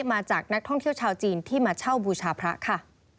มาจากนักท่องเที่ยวชาวจีนที่มาเช่าบูชาพระค่ะ